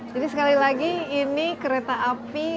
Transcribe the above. jadi sekali lagi ini kereta api